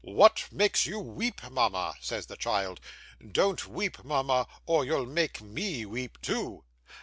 "What makes you weep, mama?" says the child. "Don't weep, mama, or you'll make me weep too!"